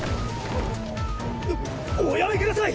おおやめください